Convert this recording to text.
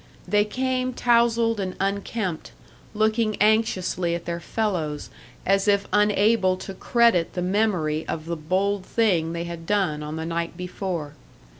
They came tousled and unkempt, looking anxiously at their fellows, as if unable to credit the memory of the bold thing they had done on the night before.